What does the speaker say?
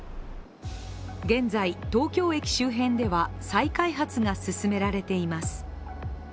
現在、東京駅周辺では再開発が進められています。